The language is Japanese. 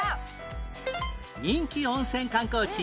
人気温泉観光地